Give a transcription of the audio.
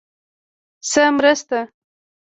_څه مرسته؟